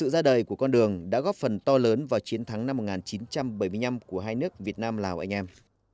một con đường đã góp phần to lớn vào chiến thắng năm một nghìn chín trăm bảy mươi năm của hai nước việt nam lào anh em